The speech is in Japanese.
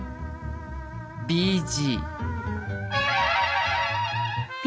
「ＢＧ」。